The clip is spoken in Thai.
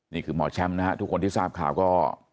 นี่คือหมอแชมป์นะฮะทุกคนที่ทราบข่าวก็